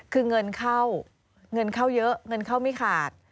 คือเงินเข้าเงินเข้าเยอะเงินเข้าไม่ขาด